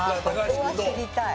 ここは知りたい。